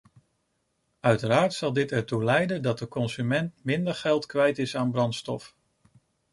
Uiteraard zal dit ertoe leiden dat de consument minder geld kwijt is aan brandstof.